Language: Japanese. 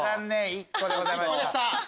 １個でございました。